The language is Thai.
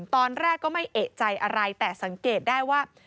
ตอนแรกก็ไม่เอกใจอะไรแต่สังเกตได้ว่า